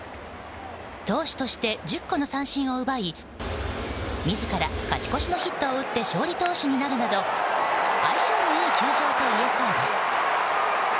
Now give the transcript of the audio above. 投手として１０個の三振を奪い自ら勝ち越しのヒットを打って勝利投手になるなど相性のいい球場といえそうです。